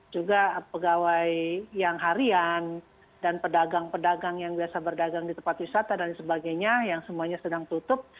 juga pegawai yang harian dan pedagang pedagang yang biasa berdagang di tempat wisata dan sebagainya yang semuanya sedang tutup